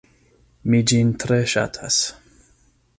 Mi ĝin tre ŝatas.